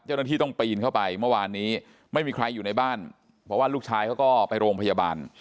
เจ้าหน้าที่ต้องปีนเข้าไปเมื่อวานนี้ไม่มีใครอยู่ในบ้านเพราะว่าลูกชายเขาก็ไปโรงพยาบาล